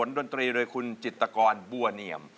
ดนตรีโดยคุณจิตกรบัวเนียม